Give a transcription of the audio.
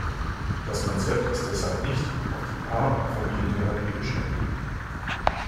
Das Konzept ist deshalb nicht auf die Paar- und Familientherapie beschränkt.